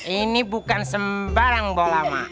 ini bukan sembarang bola